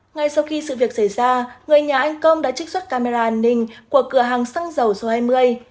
ngay sau khi sự việc xảy ra người nhà anh công đã trích xuất camera an ninh của cửa hàng xăng dầu số hai mươi